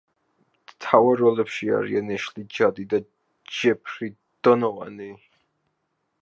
მთავარ როლებში არიან ეშლი ჯადი და ჯეფრი დონოვანი.